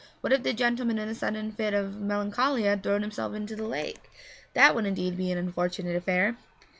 What if the gentleman in a sudden fit of melancholia had thrown himself into the lake? That would indeed be an unfortunate affair!